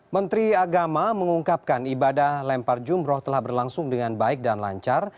menteri agama mengungkapkan ibadah lempar jumroh telah berlangsung dengan baik dan lancar